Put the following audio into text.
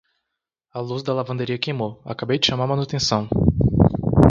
A luz da lavanderia queimou, acabei de chamar a manutenção.